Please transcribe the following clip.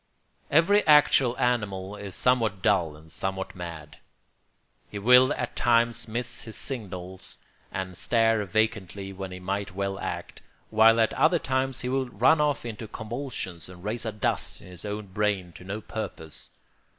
] Every actual animal is somewhat dull and somewhat mad. He will at times miss his signals and stare vacantly when he might well act, while at other times he will run off into convulsions and raise a dust in his own brain to no purpose.